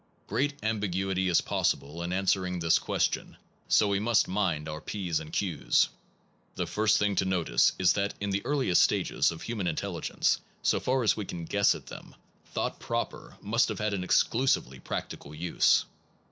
Great ambiguity is possible in answering this question, so we must mind our Ps and Qs. The first thing to notice is that in the earliest stages of human intelligence, so far as we can guess at them, thought proper must have had an exclusively practical use.